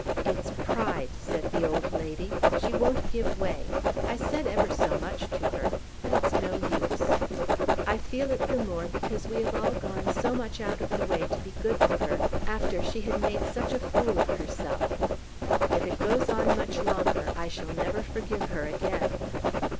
"It's pride," said the old lady. "She won't give way. I said ever so much to her, but it's no use. I feel it the more because we have all gone so much out of the way to be good to her after she had made such a fool of herself. If it goes on much longer, I shall never forgive her again."